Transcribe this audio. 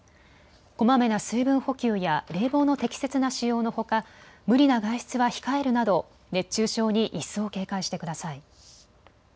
こまめな水分補給や冷房の適切な使用のほか無理な外出は控えるなど熱中症に一層警戒してください。